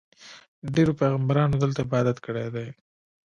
ډېرو پیغمبرانو دلته عبادت کړی دی.